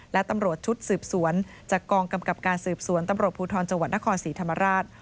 และตำรวจชุดสืบสวนจากกองกำกับการสืบสวนตำรวจภูทรจังหวัดนครศรีธรรมราช